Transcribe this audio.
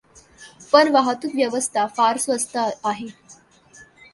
पण वाहतूक व्यवस्था फार स्वस्त आहे.